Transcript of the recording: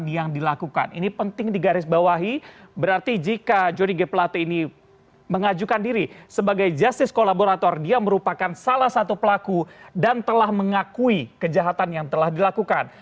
yang dilakukan ini penting digarisbawahi berarti jika jody g pelate ini mengajukan diri sebagai justice kolaborator dia merupakan salah satu pelaku dan telah mengakui kejahatan yang telah dilakukan